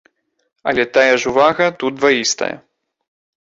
Але тая ж увага тут дваістая.